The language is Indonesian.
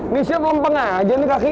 ini siap lempeng aja nih kaki